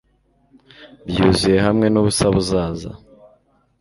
Byuzuye hamwe nubusa buzaza